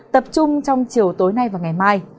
tập trung trong chiều tối nay và ngày mai